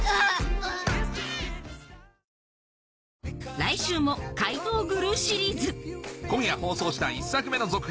来週も『怪盗グルー』シリーズ今夜放送した１作目の続編